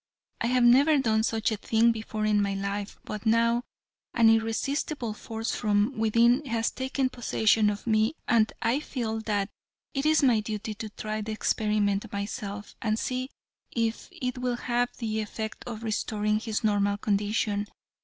I have never done such a thing before in my life, but now an irresistible force from within has taken possession of me and I feel that it is my duty to try the experiment myself, and see if it will have the effect of restoring his normal condition.